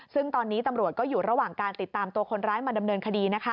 ซึ่งตอนนี้ตำรวจก็อยู่ระหว่างการติดตามตัวคนร้ายมาดำเนินคดี